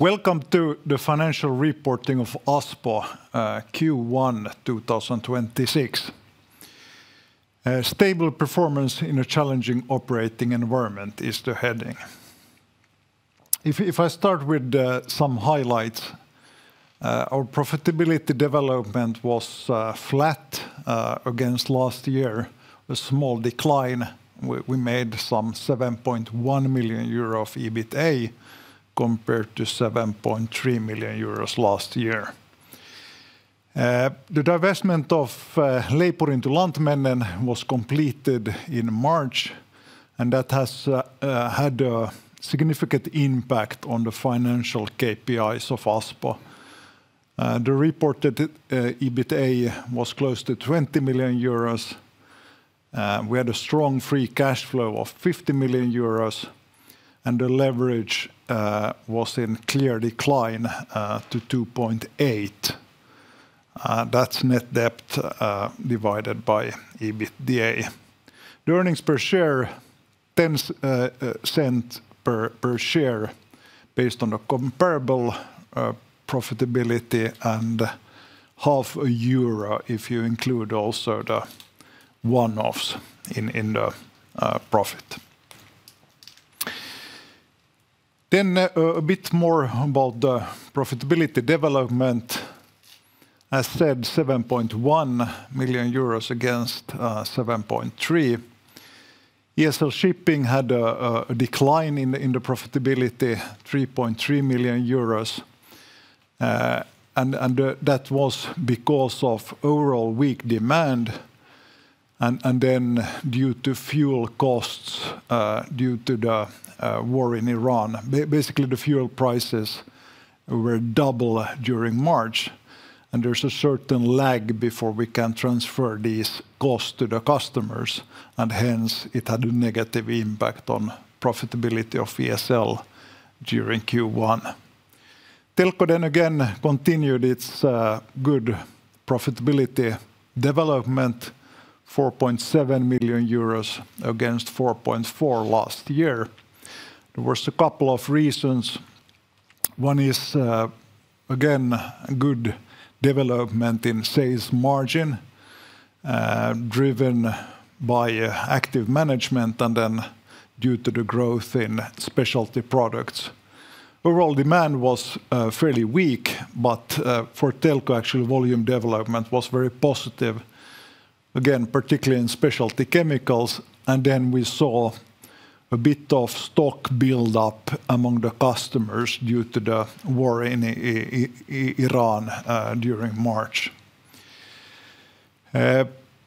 Welcome to the financial reporting of Aspo, Q1 2026. Stable performance in a challenging operating environment is the heading. If I start with some highlights, our profitability development was flat against last year, a small decline. We made some 7.1 million euro of EBITA compared to 7.3 million euros last year. The divestment of Leipurin to Lantmännen was completed in March, and that has had a significant impact on the financial KPIs of Aspo. The reported EBITA was close to 20 million euros. We had a strong free cash flow of 50 million euros, and the leverage was in clear decline to 2.8. That's net debt divided by EBITDA. The earnings per share 0.10 per share based on a comparable profitability and EUR 0.5 If you include also the one-offs in the profit. A bit more about the profitability development. As said, 7.1 million euros against 7.3 million. ESL Shipping had a decline in the profitability, 3.3 million euros. That was because of overall weak demand and then due to fuel costs due to the war in Iran. Basically, the fuel prices were double during March, and there's a certain lag before we can transfer these costs to the customers, and hence, it had a negative impact on profitability of ESL during Q1. Telko then again continued its good profitability development, 4.7 million euros against 4.4 million last year. There was a couple of reasons. One is, again, good development in sales margin, driven by active management and then due to the growth in specialty products. Overall demand was, fairly weak, but, for Telko, actual volume development was very positive, again, particularly in specialty chemicals. We saw a bit of stock build-up among the customers due to the war in Iran, during March.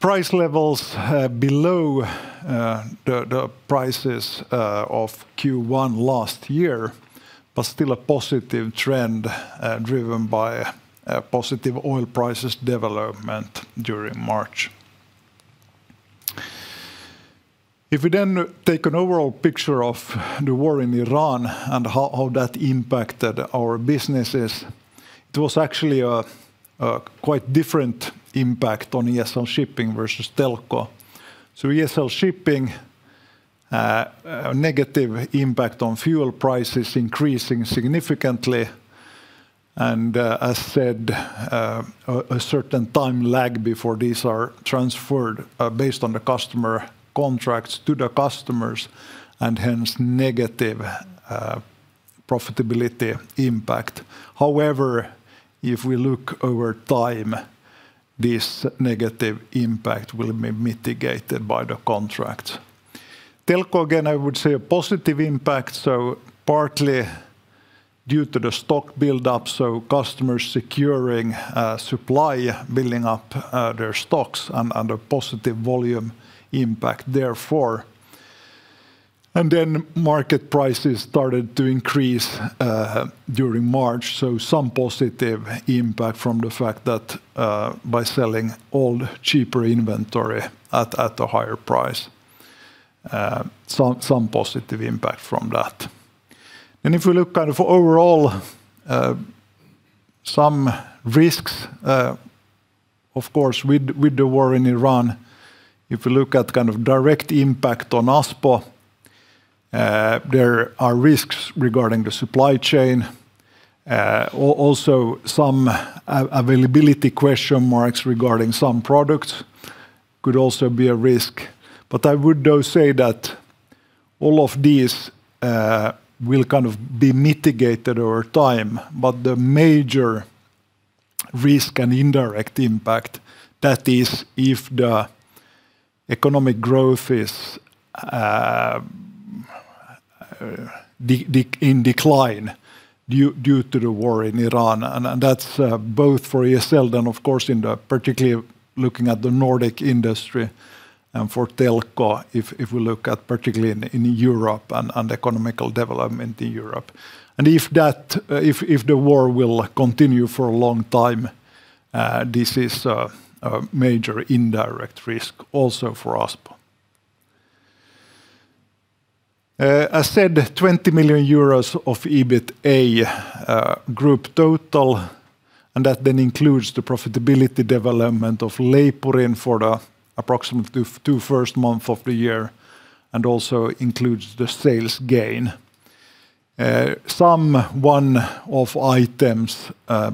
Price levels below the prices of Q1 last year, but still a positive trend, driven by positive oil prices development during March. If we then take an overall picture of the war in Iran and how that impacted our businesses, it was actually quite different impact on ESL Shipping versus Telko. ESL Shipping, negative impact on fuel prices increasing significantly and, as said, a certain time lag before these are transferred, based on the customer contracts, to the customers and hence negative profitability impact. However, if we look over time, this negative impact will be mitigated by the contracts. Telko, again, I would say a positive impact, so partly due to the stock build-up, so customers securing supply, building up their stocks and a positive volume impact therefore. Then market prices started to increase during March, so some positive impact from the fact that, by selling old, cheaper inventory at a higher price, some positive impact from that. If we look kind of overall, some risks, of course, with the war in Iran, if we look at kind of direct impact on Aspo, there are risks regarding the supply chain. Also some availability question marks regarding some products could also be a risk. I would though say that all of these will kind of be mitigated over time, but the major risk and indirect impact, that is if the economic growth is in decline due to the war in Iran. That's both for ESL, of course, particularly looking at the Nordic industry and for Telko if we look at particularly in Europe and economic development in Europe. If the war will continue for a long time, this is a major indirect risk also for Aspo. As said, 20 million euros of EBITA, group total. That then includes the profitability development of Leipurin for the approximately two first months of the year, and also includes the sales gain. Some one-off items,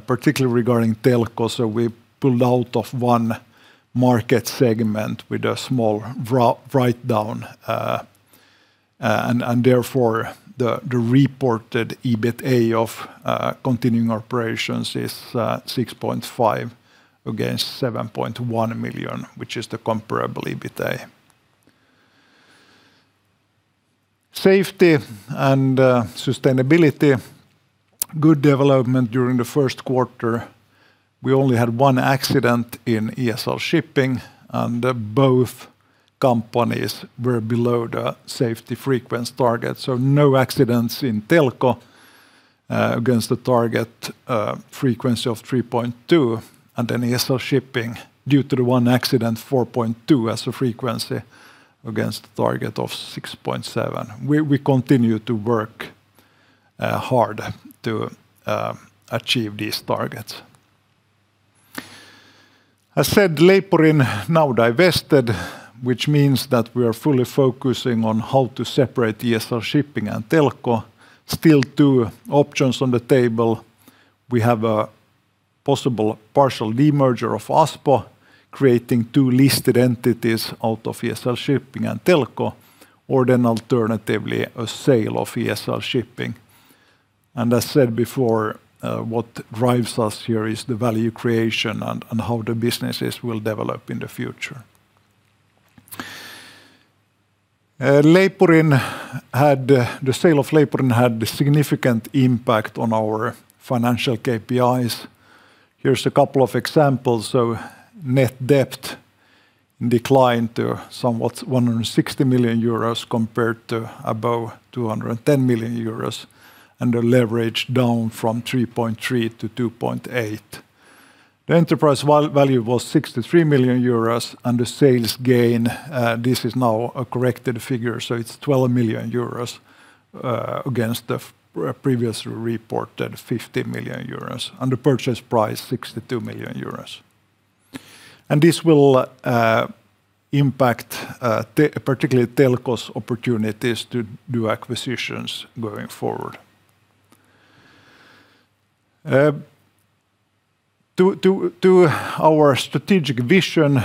particularly regarding Telko, so we pulled out of one market segment with a small writedown. Therefore, the reported EBITA of continuing operations is 6.5 million against 7.1 million, which is the comparable EBITA. Safety and sustainability, good development during the first quarter. We only had one accident in ESL Shipping, and both companies were below the safety frequency target. No accidents in Telko against the target frequency of 3.2. ESL Shipping, due to the one accident, 4.2 as a frequency against the target of 6.7. We continue to work hard to achieve these targets. I said Leipurin now divested, which means that we are fully focusing on how to separate ESL Shipping and Telko. Still two options on the table. We have a possible partial demerger of Aspo, creating two listed entities out of ESL Shipping and Telko, or then alternatively, a sale of ESL Shipping. I said before what drives us here is the value creation and how the businesses will develop in the future. The sale of Leipurin had a significant impact on our financial KPIs. Here's a couple of examples. Net debt declined to somewhat 160 million euros compared to about 210 million euros, and the leverage down from 3.3 to 2.8. The enterprise value was 63 million euros, and the sales gain, this is now a corrected figure, so it's 12 million euros, against the previous reported 50 million euros, and the purchase price 62 million euros. This will impact particularly Telko's opportunities to do acquisitions going forward. To our strategic vision,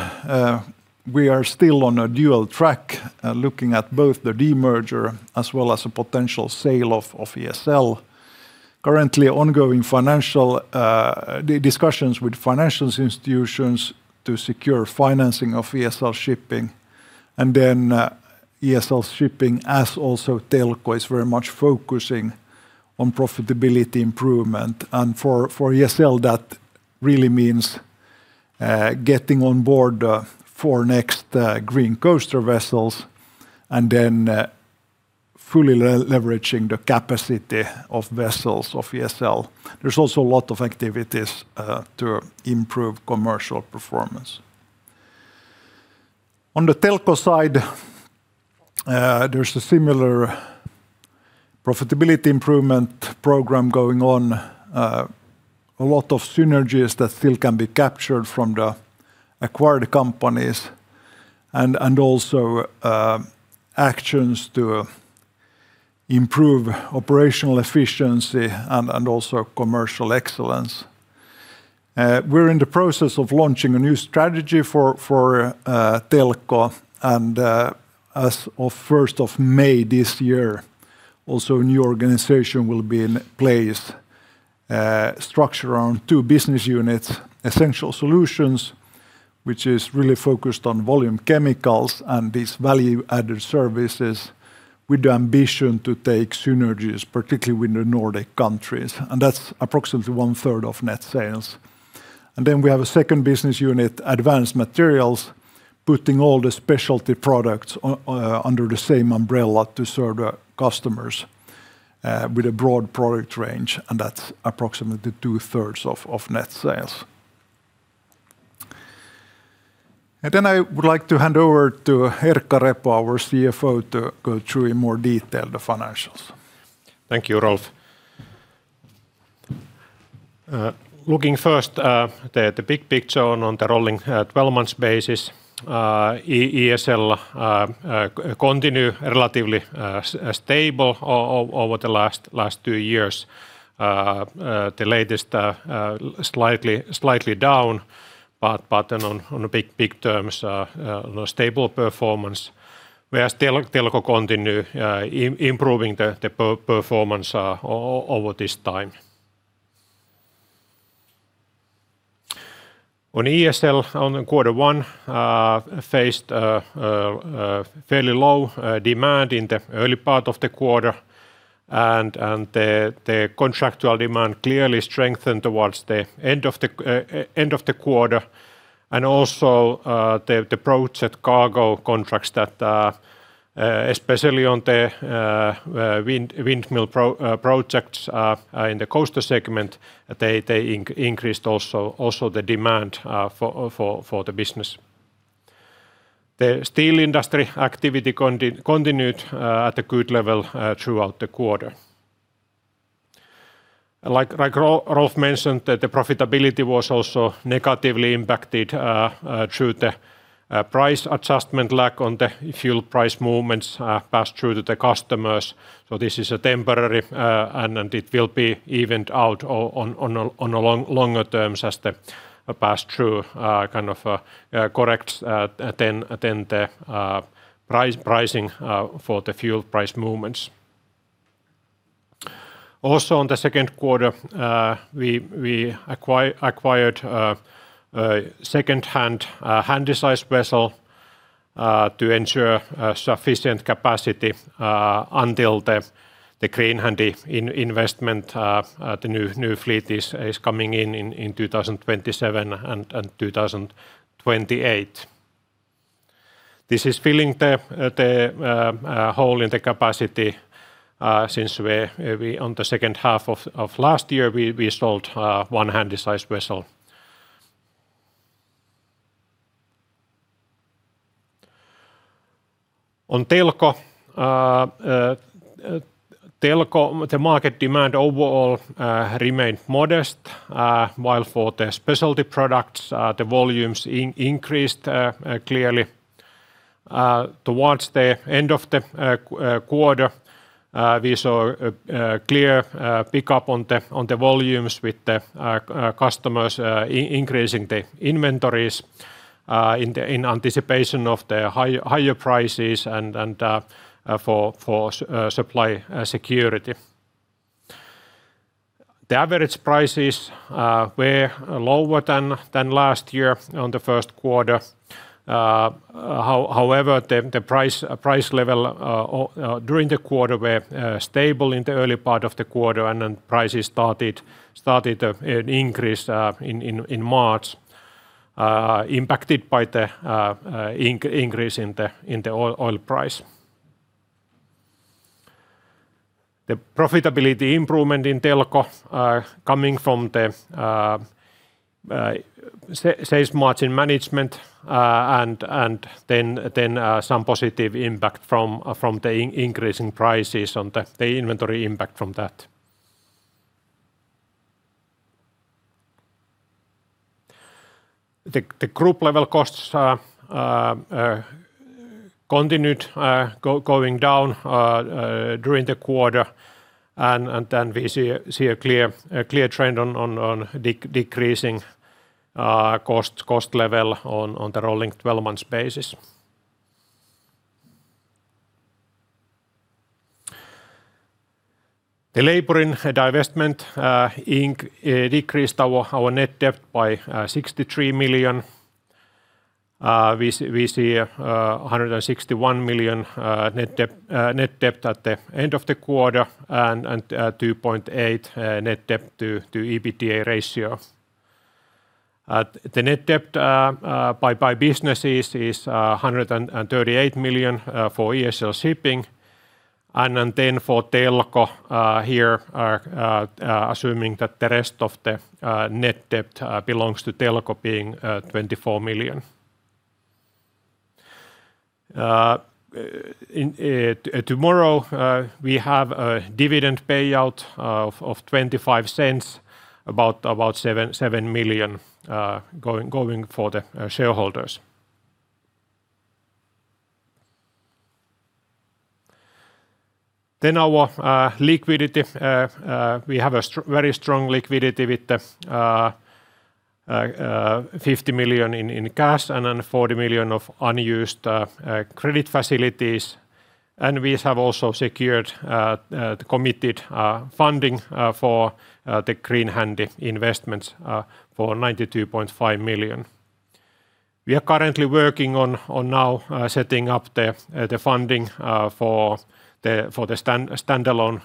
we are still on a dual track, looking at both the demerger as well as a potential sale of ESL. Currently ongoing financial, discussions with financial institutions to secure financing of ESL Shipping. ESL Shipping, as also Telko, is very much focusing on profitability improvement and for ESL that really means getting on board four next Green Coaster vessels and then fully leveraging the capacity of vessels of ESL. There's also a lot of activities to improve commercial performance. On the Telko side, there's a similar profitability improvement program going on. A lot of synergies that still can be captured from the acquired companies and also actions to improve operational efficiency and also commercial excellence. We're in the process of launching a new strategy for Telko and, as of 1st of May this year, also a new organization will be in place, structured around two business units: Essential Solutions, which is really focused on volume chemicals and these value-added services with the ambition to take synergies, particularly with the Nordic countries, and that's approximately 1/3 of net sales. Then we have a second business unit, Advanced Materials, putting all the specialty products under the same umbrella to serve the customers with a broad product range, and that's approximately 2/3 of net sales. Then I would like to hand over to Erkka Repo, our CFO, to go through in more detail the financials. Thank you, Rolf. Looking first the big picture on the rolling 12 months basis, ESL continues relatively stable over the last two years. The latest slightly down, but on big terms, stable performance. Whereas Telko continues improving the performance over this time. On ESL, on the quarter one faced fairly low demand in the early part of the quarter and the contractual demand clearly strengthened towards the end of the quarter. Also, the project cargo contracts that especially on the windmill projects in the coaster segment, they increased also the demand for the business. The steel industry activity continued at a good level throughout the quarter. Like Rolf mentioned, the profitability was also negatively impacted through the price adjustment lack on the fuel price movements passed through to the customers. This is a temporary, and then it will be evened out on longer terms as the pass-through kind of corrects, then the pricing for the fuel price movements. Also in the second quarter, we acquired a second-hand handysize vessel to ensure sufficient capacity until the Green Handy investment the new fleet is coming in in 2027 and 2028. This is filling the hole in the capacity since we, on the second half of last year, sold one handysize vessel. On Telko, the market demand overall remained modest. While for the specialty products, the volumes increased clearly towards the end of the quarter, we saw a clear pickup in the volumes with the customers increasing the inventories in anticipation of the higher prices and for supply security. The average prices were lower than last year in the first quarter. However, the price level during the quarter were stable in the early part of the quarter, and then prices started to increase in March, impacted by the increase in the oil price. The profitability improvement in Telko are coming from the sales margin management and then some positive impact from the increasing prices on the inventory impact from that. The group level costs continued going down during the quarter and then we see a clear trend on decreasing cost level on the rolling 12 months basis. The Leipurin divestment decreased our net debt by 63 million. We see a 161 million net debt at the end of the quarter and 2.8 net debt to EBITDA ratio. The net debt by businesses is 138 million for ESL Shipping. For Telko, assuming that the rest of the net debt belongs to Telko being 24 million. Tomorrow we have a dividend payout of 0.25, about 7 million going for the shareholders. Our liquidity. We have very strong liquidity with the 50 million in cash and then 40 million of unused credit facilities. We have also secured the committed funding for the Green Handy investments for 92.5 million. We are currently working on now setting up the funding for the standalone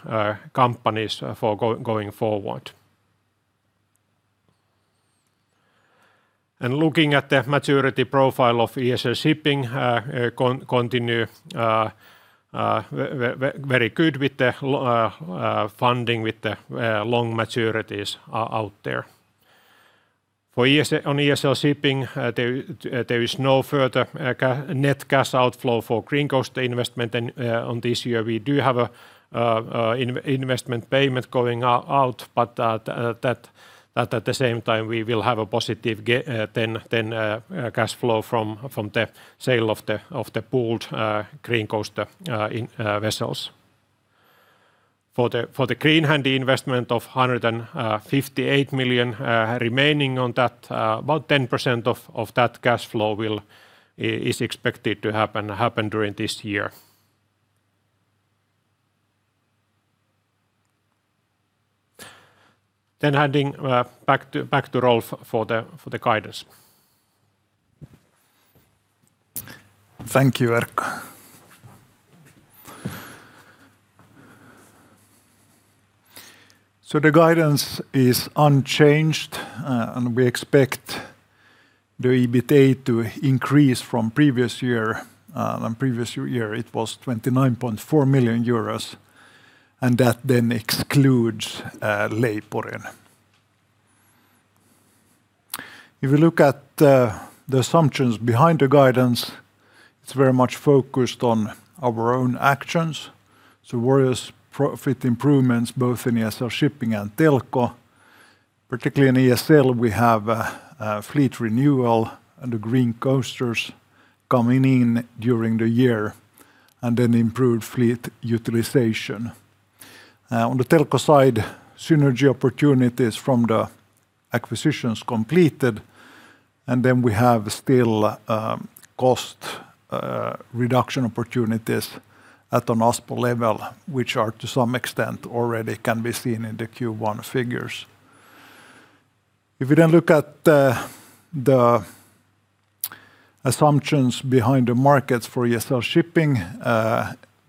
companies going forward. Looking at the maturity profile of ESL Shipping, continues very good with the funding with the long maturities out there. For ESL Shipping, there is no further net cash outflow for Green Coaster investment than on this year. We do have a investment payment going out, but that at the same time we will have a positive cash flow from the sale of the old Green Coaster vessels. For the Green Handy investment of 158 million remaining on that, about 10% of that cash flow is expected to happen during this year. Handing back to Rolf for the guidance. Thank you, Erkka. The guidance is unchanged, and we expect the EBITA to increase from previous year. On previous year, it was 29.4 million euros, and that then excludes Leipurin. If you look at the assumptions behind the guidance, it's very much focused on our own actions. Various profit improvements both in ESL Shipping and Telko. Particularly in ESL, we have fleet renewal and the Green Coasters coming in during the year, and then improved fleet utilization. On the Telko side, synergy opportunities from the acquisitions completed, and then we have still cost reduction opportunities at an Aspo level, which are to some extent already can be seen in the Q1 figures. If you then look at the assumptions behind the markets for ESL Shipping,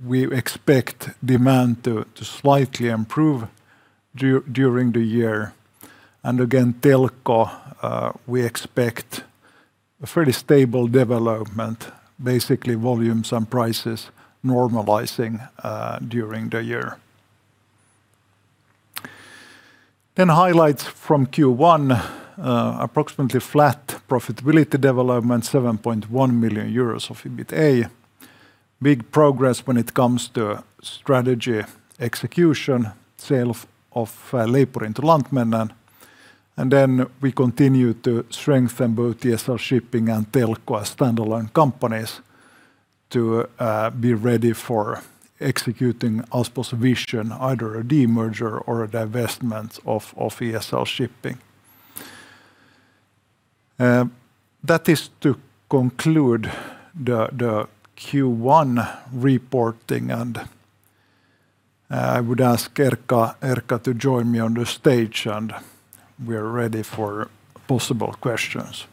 we expect demand to slightly improve during the year. Again, Telko, we expect a fairly stable development. Basically, volumes and prices normalizing during the year. Highlights from Q1. Approximately flat profitability development, 7.1 million euros of EBITA. Big progress when it comes to strategy execution, sale of Leipurin to Lantmännen. We continue to strengthen both ESL Shipping and Telko as standalone companies to be ready for executing Aspo's vision, either a demerger or a divestment of ESL Shipping. That is to conclude the Q1 reporting, and I would ask Erkka to join me on the stage, and we're ready for possible questions.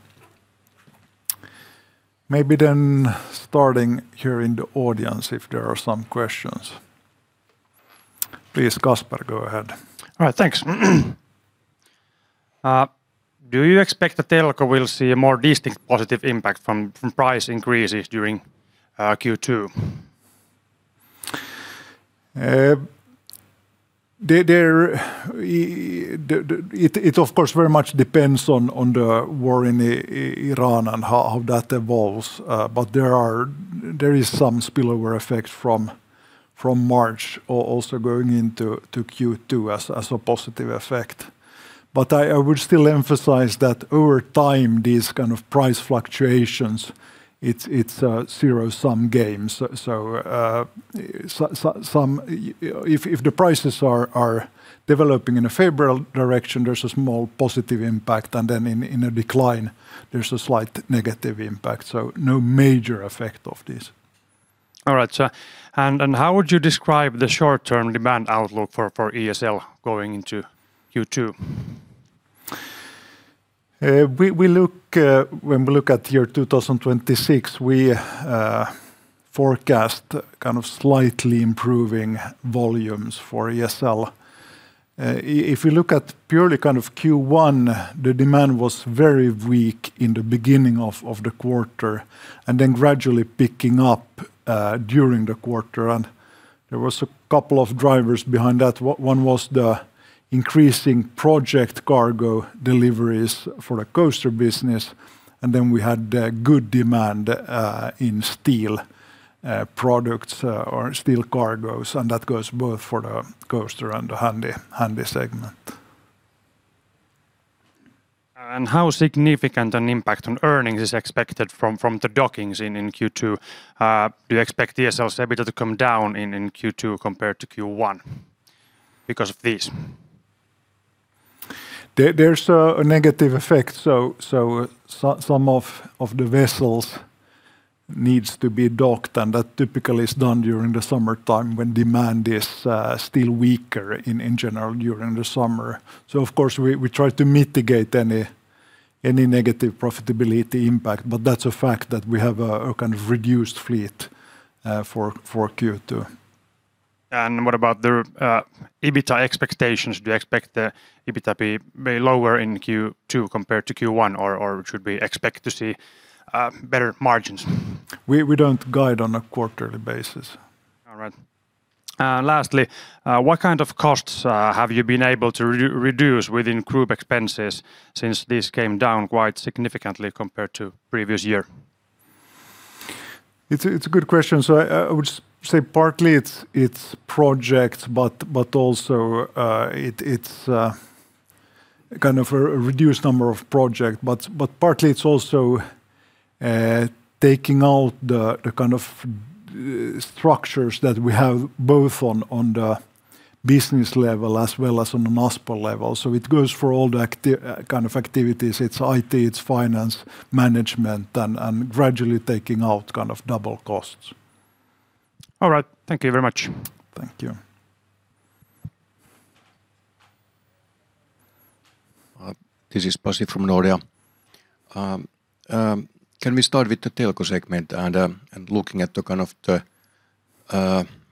Maybe then starting here in the audience if there are some questions. Please, Kasper, go ahead. All right. Thanks. Do you expect that Telko will see a more distinct positive impact from price increases during Q2? It of course very much depends on the war in Iran and how that evolves. There is some spillover effect from March also going into Q2 as a positive effect. I would still emphasize that over time, these kind of price fluctuations, it's a zero-sum game. If the prices are developing in a favorable direction, there's a small positive impact, and then in a decline, there's a slight negative impact, so no major effect of this. All right. How would you describe the short-term demand outlook for ESL going into Q2? When we look at year 2026, we forecast kind of slightly improving volumes for ESL. If we look at purely kind of Q1, the demand was very weak in the beginning of the quarter and then gradually picking up during the quarter. There was a couple of drivers behind that. One was the increasing project cargo deliveries for the Coaster business, and then we had good demand in steel products or steel cargos, and that goes both for the Coaster and the Handy segment. How significant an impact on earnings is expected from the dockings in Q2? Do you expect ESL's EBITDA to come down in Q2 compared to Q1 because of this? There's a negative effect. Some of the vessels needs to be docked, and that typically is done during the summertime when demand is still weaker in general during the summer. Of course we try to mitigate any negative profitability impact, that's a fact that we have a kind of reduced fleet for Q2. What about the EBITDA expectations? Do you expect the EBITDA be way lower in Q2 compared to Q1, or should we expect to see better margins? We don't guide on a quarterly basis. All right. Lastly, what kind of costs have you been able to reduce within group expenses since this came down quite significantly compared to previous year? It's a good question. I would say partly it's projects, but also it's kind of a reduced number of project. Partly it's also taking out the kind of structures that we have both on the business level as well as on the Aspo level. It goes for all the kind of activities. It's IT, it's finance, management, and gradually taking out kind of double costs. All right. Thank you very much. Thank you. This is Pasi from Nordea. Can we start with the Telko segment and looking at the kind of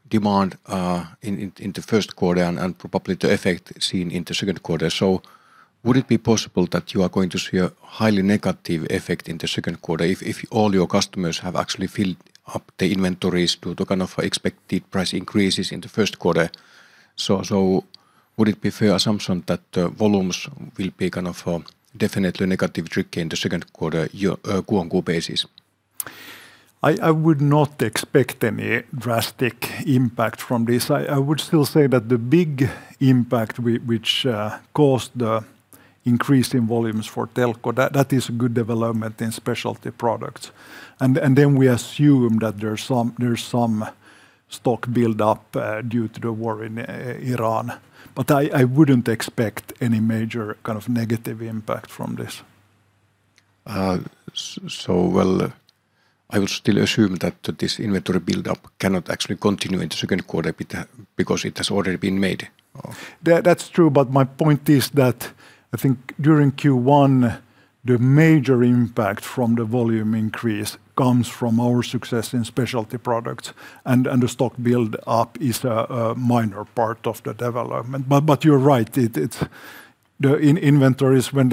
demand in the first quarter and probably the effect seen in the second quarter. Would it be possible that you are going to see a highly negative effect in the second quarter if all your customers have actually filled up the inventories due to kind of expected price increases in the first quarter. Would it be fair assumption that volumes will be kind of definitely negative trend in the second quarter on a Q on Q basis? I would not expect any drastic impact from this. I would still say that the big impact which caused the increase in volumes for Telko, that is a good development in specialty products. Then we assume that there's some stock build up due to the war in Iran. I wouldn't expect any major kind of negative impact from this. Well, I would still assume that this inventory build up cannot actually continue in the second quarter because it has already been made. That's true, but my point is that I think during Q1, the major impact from the volume increase comes from our success in specialty products and the stock build up is a minor part of the development. You're right. The inventories, when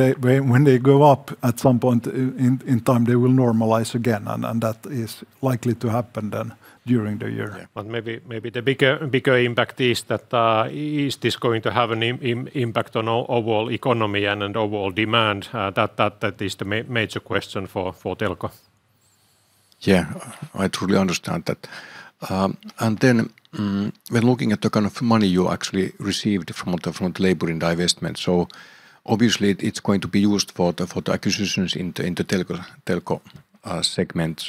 they go up at some point in time they will normalize again, and that is likely to happen then during the year. Maybe the bigger impact is that, is this going to have an impact on overall economy and on overall demand, that is the major question for Telko. Yeah. I truly understand that. When looking at the kind of money you actually received from the Leipurin divestment, obviously it's going to be used for the acquisitions in the Telko segment.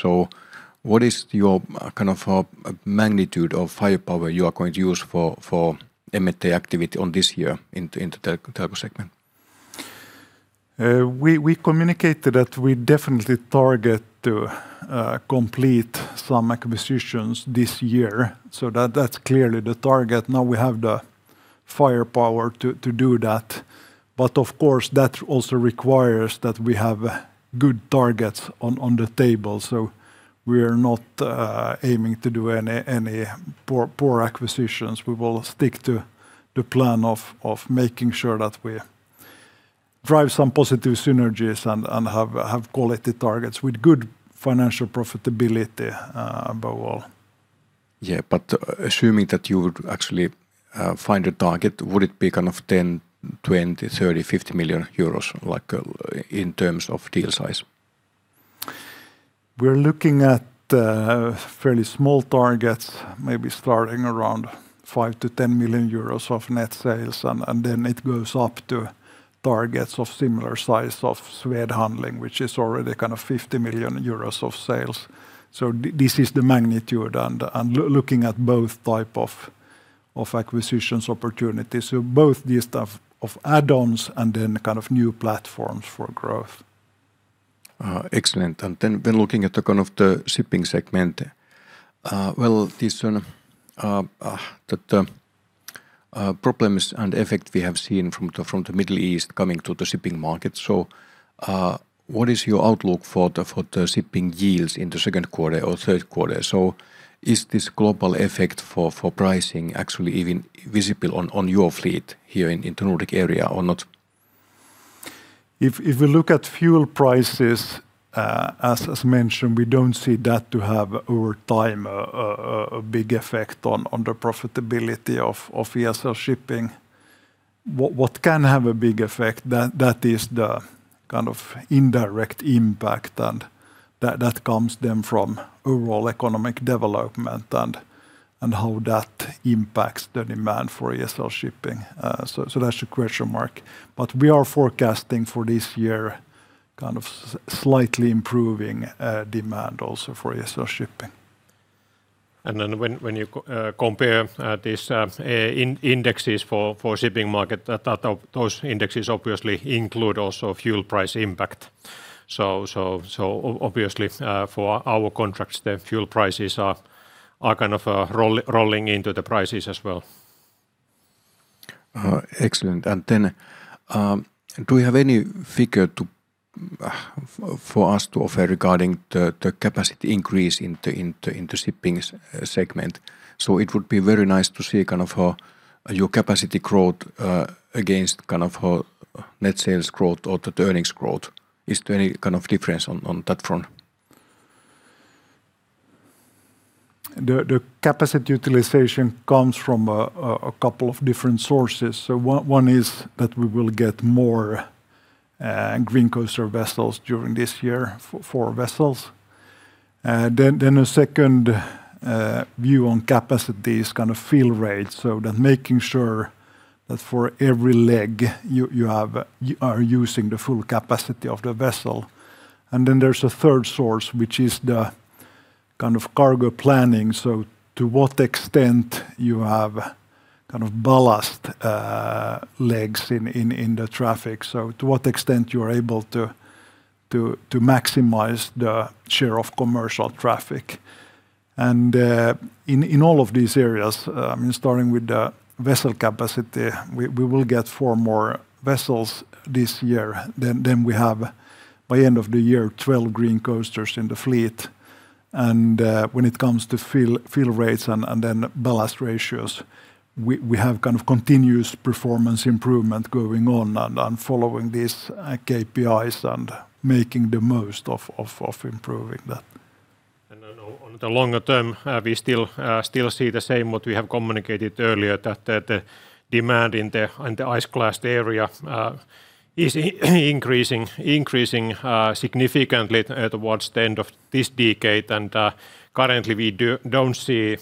What is your kind of magnitude of firepower you are going to use for M&A activity in this year in the Telko segment? We communicated that we definitely target to complete some acquisitions this year, so that's clearly the target. Now we have the firepower to do that. Of course, that also requires that we have good targets on the table. We're not aiming to do any poor acquisitions. We will stick to the plan of making sure that we drive some positive synergies and have quality targets with good financial profitability above all. Yeah. Assuming that you would actually find a target, would it be kind of 10 million, 20 million, 30 million, 50 million euros, like, in terms of deal size? We're looking at fairly small targets, maybe starting around 5 million-10 million euros of net sales, and then it goes up to targets of similar size of Swed Handling, which is already kind of 50 million euros of sales. This is the magnitude. Looking at both type of acquisitions opportunities. Both the stuff of add-ons and then kind of new platforms for growth. Excellent. When looking at the shipping segment, well, this one, the problems and effect we have seen from the Middle East coming to the shipping market, what is your outlook for the shipping yields in the second quarter or third quarter? Is this global effect for pricing actually even visible on your fleet here in the Nordic area or not? If we look at fuel prices, as mentioned, we don't see that to have over time a big effect on the profitability of ESL Shipping. What can have a big effect, that is the kind of indirect impact and that comes then from overall economic development and how that impacts the demand for ESL Shipping. So that's the question mark. We are forecasting for this year kind of slightly improving demand also for ESL Shipping. When you compare these indices for shipping market, those indices obviously include also fuel price impact. Obviously, for our contracts, the fuel prices are kind of rolling into the prices as well. Excellent. Do you have any figure for us to offer regarding the capacity increase in the shipping segment? It would be very nice to see kind of your capacity growth against kind of net sales growth or the earnings growth. Is there any kind of difference on that front? The capacity utilization comes from a couple of different sources. One is that we will get more Green Coaster vessels during this year, four vessels. Then a second view on capacity is kind of fill rates, so that making sure that for every leg you are using the full capacity of the vessel. Then there's a third source, which is the kind of cargo planning. To what extent you have kind of ballast legs in the traffic. To what extent you are able to maximize the share of commercial traffic. In all of these areas, starting with the vessel capacity, we will get four more vessels this year. Then we have by end of the year 12 Green Coasters in the fleet. When it comes to fill rates and then ballast ratios, we have kind of continuous performance improvement going on and following these KPIs and making the most of improving that. On the longer term, we still see the same what we have communicated earlier, that the demand in the ice class area is increasing significantly towards the end of this decade. Currently we don't see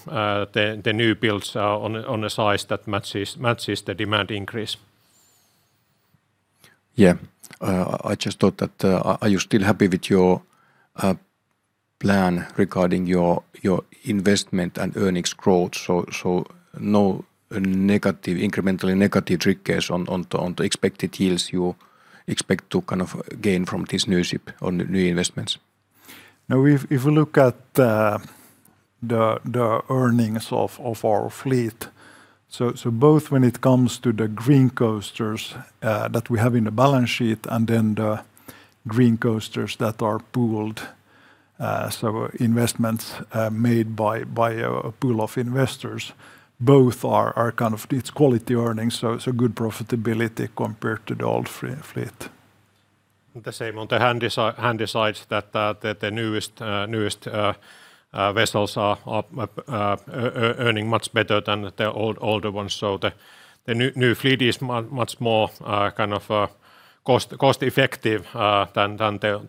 the new builds on a size that matches the demand increase. Yeah. I just thought that. Are you still happy with your plan regarding your investment and earnings growth? No negative, incrementally negative triggers on the expected yields you expect to kind of gain from this new ship or new investments? No, if you look at the earnings of our fleet, so both when it comes to the Green Coasters that we have in the balance sheet, and then the Green Coasters that are pooled, so investments made by a pool of investors, both are kind of high-quality earnings, so good profitability compared to the old fleet. The same on the handysize, that the newest vessels are earning much better than the older ones. The new fleet is much more kind of cost effective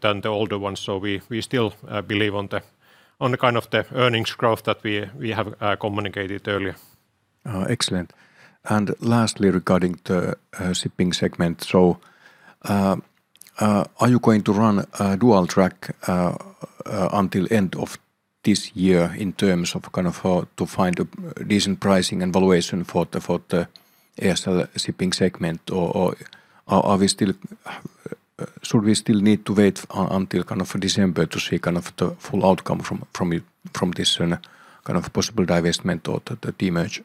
than the older ones. We still believe in the kind of the earnings growth that we have communicated earlier. Excellent. Lastly regarding the shipping segment, are you going to run a dual track until end of this year in terms of kind of to find a decent pricing and valuation for the ESL Shipping segment? Or should we still need to wait until kind of December to see kind of the full outcome from it, from this kind of possible divestment or the demerger?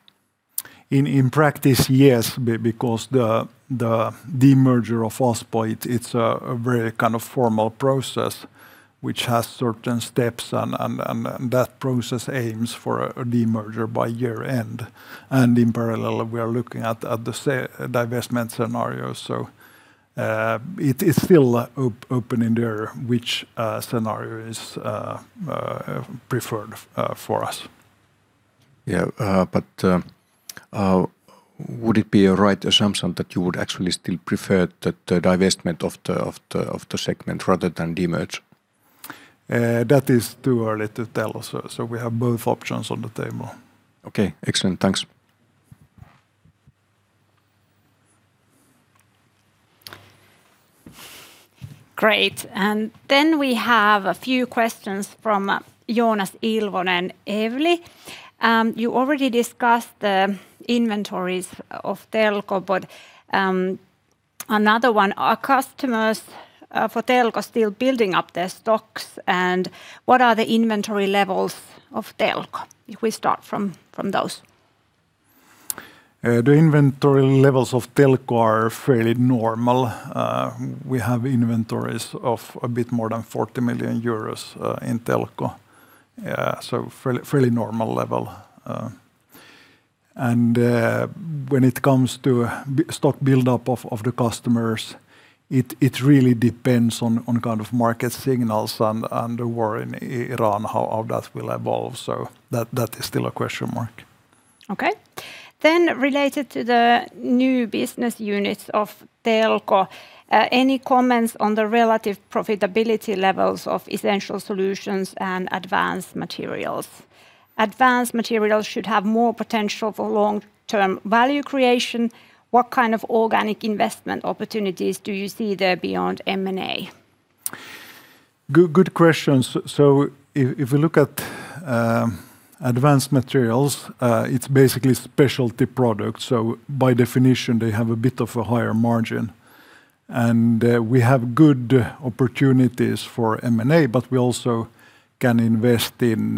In practice, yes, because the demerger of Aspo, it's a very kind of formal process which has certain steps and that process aims for a demerger by year-end. In parallel, we are looking at the divestment scenario. It is still open in there which scenario is preferred for us. Yeah, would it be a right assumption that you would actually still prefer the divestment of the segment rather than demerge? That is too early to tell. We have both options on the table. Okay, excellent. Thanks. Great. We have a few questions from Joonas Ilvonen, Evli. You already discussed the inventories of Telko, but another one. Are customers for Telko still building up their stocks, and what are the inventory levels of Telko? If we start from those. The inventory levels of Telko are fairly normal. We have inventories of a bit more than 40 million euros in Telko, fairly normal level. When it comes to stock buildup of the customers, it really depends on kind of market signals and the war in Iran, how all that will evolve. That is still a question mark. Okay. Related to the new business units of Telko, any comments on the relative profitability levels of Essential Solutions and Advanced Materials? Advanced Materials should have more potential for long-term value creation. What kind of organic investment opportunities do you see there beyond M&A? Good, good questions. If we look at Advanced Materials, it's basically specialty products. By definition, they have a bit of a higher margin. We have good opportunities for M&A, but we also can invest in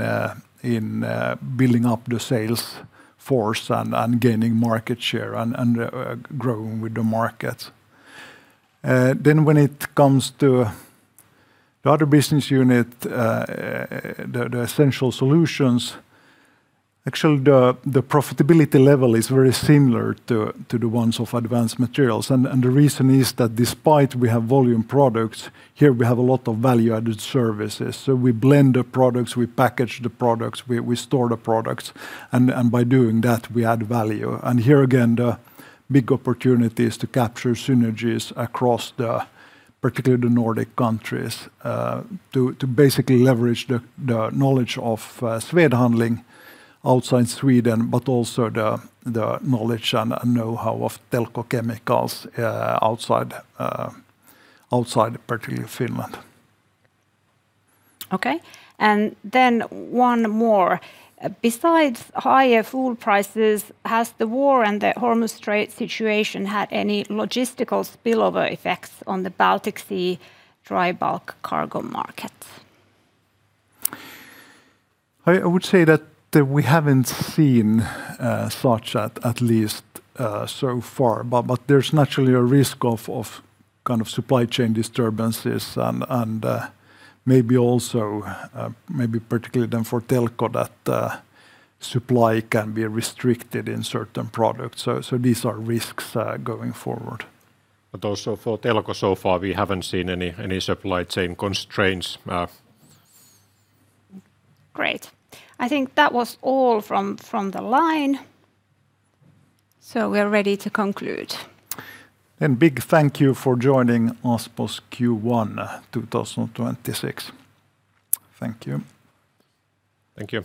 building up the sales force and gaining market share and growing with the market. When it comes to the other business unit, the Essential Solutions, actually the profitability level is very similar to the ones of Advanced Materials. The reason is that despite we have volume products, here we have a lot of value-added services. We blend the products, we package the products, we store the products, and by doing that we add value. Here again, the big opportunity is to capture synergies across, particularly the Nordic countries, to basically leverage the knowledge of Swed Handling outside Sweden, but also the knowledge and know-how of Telko Chemicals outside particularly Finland. Okay. One more. Besides higher fuel prices, has the war and the Hormuz Strait situation had any logistical spillover effects on the Baltic Sea dry bulk cargo market? I would say that we haven't seen such, at least so far. There's naturally a risk of kind of supply chain disturbances and maybe also maybe particularly then for Telko that the supply can be restricted in certain products. These are risks going forward. Also for Telko so far, we haven't seen any supply chain constraints. Great. I think that was all from the line. We're ready to conclude. A big thank you for joining Aspo's Q1 2026. Thank you. Thank you.